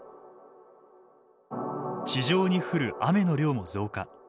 地上に降る雨の量も増加。